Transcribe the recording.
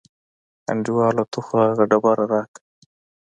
انډیواله ته خو هغه ډبره راکړه.